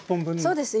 そうです。